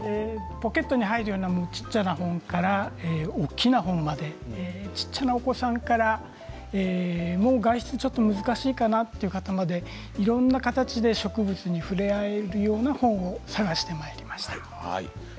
ポケットに入るような小っちゃい本から大きい本まで小っちゃなお子様からもう外出がちょっと難しいかなという方までいろんな形で植物に触れ合えるような本を探してまいりました。